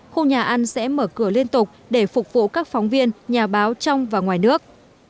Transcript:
khu nhà ăn sẽ mở cửa liên tục để phục vụ các phóng viên nhà báo trong và ngoài nước